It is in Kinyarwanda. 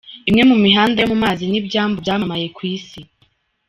Imwe mu mihanda yo mu mazi n’ibyambu byamamaye ku isi.